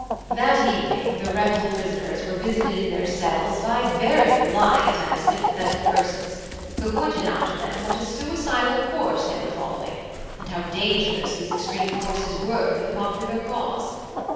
"That evening the rebel prisoners were visited in their cells by very polite and sympathetic persons, who pointed out to them what a suicidal course they were following, and how dangerous these extreme courses were for the popular cause.